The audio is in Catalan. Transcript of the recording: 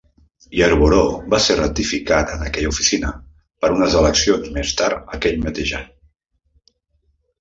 Yarborough va ser ratificat en aquella oficina per unes eleccions més tard aquell mateix any.